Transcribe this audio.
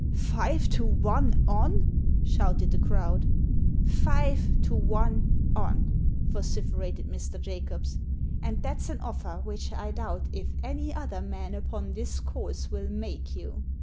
" Five to one on ?" shouted the crowd. " Five to one on !" vociferated Mr. Jacobs. "And that's an offer which I doubt if any other man upon this course will make you."